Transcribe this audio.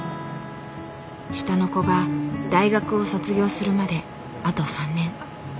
下の子が大学を卒業するまであと３年。